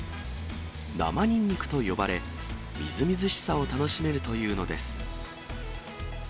生ニンニクと呼ばれ、みずみずしさを楽しめるというのです。